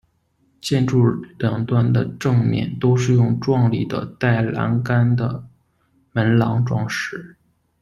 建筑两端的正面都用壮丽的带栏杆的门廊装饰。